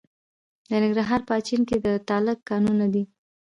د ننګرهار په اچین کې د تالک کانونه دي.